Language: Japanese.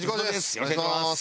よろしくお願いします。